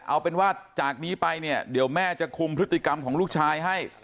เอาเป็นว่าจากนี้ไปเนี่ยเดี๋ยวแม่จะคุมพฤติกรรมของลูกชายให้